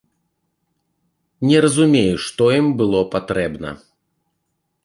Не разумею, што ім было патрэбна.